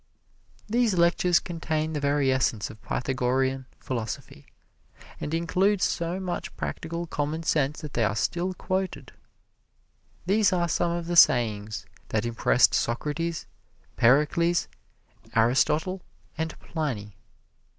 These lectures contain the very essence of Pythagorean philosophy, and include so much practical commonsense that they are still quoted. These are some of the sayings that impressed Socrates, Pericles, Aristotle and Pliny.